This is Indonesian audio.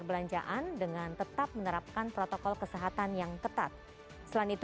bersatu lawan covid sembilan belas